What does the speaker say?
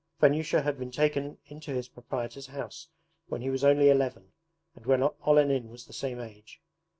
Vanyusha had been taken into his proprietor's house when he was only eleven and when Olenin was the same age.